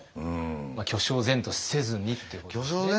巨匠然とせずにっていうことですよね。